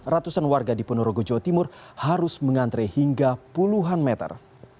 ratusan warga di ponorogo jawa timur harus mengantre hingga puluhan meter